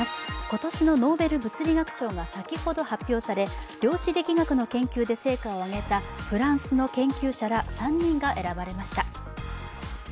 今年のノーベル物理学賞が先ほど発表され、量子力学の研究で成果を上げたフランスの研究者ら３人が選ばれました。